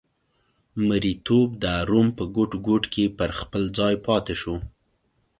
مریتوب د روم په ګوټ ګوټ کې پر خپل ځای پاتې شو